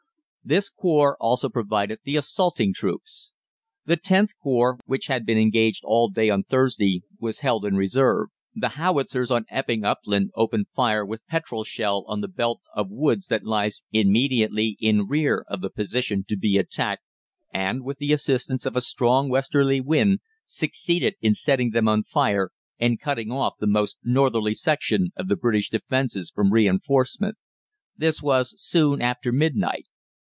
This Corps also provided the assaulting troops. The Xth Corps, which had been engaged all day on Thursday, was held in reserve. The howitzers on Epping Upland opened fire with petrol shell on the belt of woods that lies immediately in rear of the position to be attacked, and with the assistance of a strong westerly wind succeeded in setting them on fire and cutting off the most northerly section of the British defences from reinforcement. This was soon after midnight.